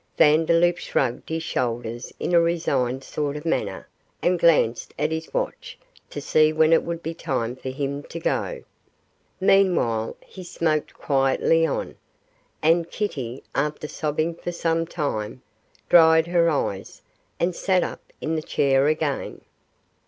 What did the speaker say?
Vandeloup shrugged his shoulders in a resigned sort of manner, and glanced at his watch to see when it would be time for him to go. Meanwhile he smoked quietly on, and Kitty, after sobbing for some time, dried her eyes, and sat up in the chair again.